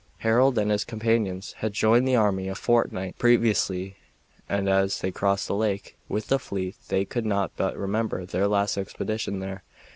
Harold and his companions had joined the army a fortnight previously, and as they crossed the lake with the fleet they could not but remember their last expedition there.